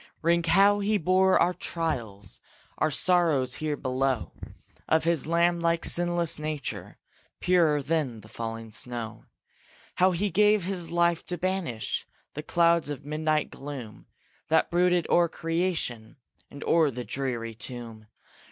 Ring how he bore our trials And sorrows here below; Of his lamb like, sinless nature, Purer than falling snow; How he gave his life to banish The clouds of midnight gloom That brooded o'er creation And o'er the dreary tomb.